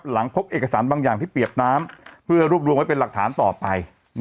พบเอกสารบางอย่างที่เปียกน้ำเพื่อรวบรวมไว้เป็นหลักฐานต่อไป